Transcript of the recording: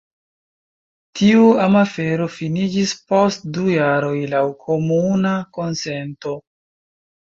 Tiu amafero finiĝis post du jaroj laŭ komuna konsento.